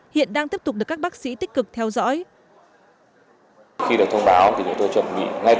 hiện đang tiếp tục được các bác sĩ tích cực theo dõi